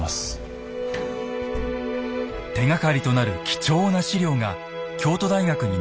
手がかりとなる貴重な資料が京都大学に残されています。